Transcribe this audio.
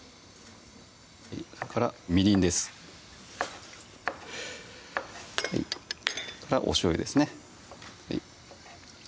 それからみりんですおしょうゆですね